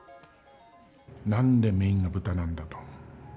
なんでメインが豚なんだと。